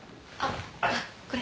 これ？